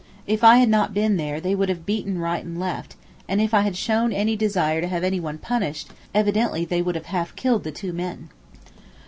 If I had not been there they would have beaten right and left, and if I had shown any desire to have anyone punished, evidently they would have half killed the two men.